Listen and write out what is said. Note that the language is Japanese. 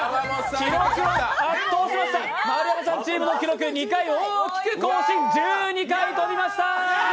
記録は圧倒しました丸山さんチームの２回を大きく超え１２回跳びました！